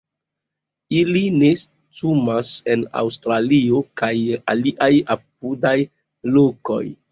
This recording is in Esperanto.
Ili nestumas en Aŭstralio, kaj aliaj apudaj lokoj.